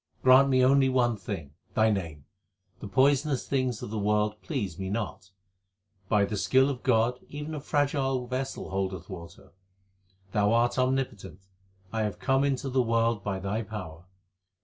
Grant me only one thing Thy name ; the poisonous things of the world please me not. By the skill of God even a fragile vessel holdeth water. 2 Thou art omnipotent ; I have come into the world by Thy power.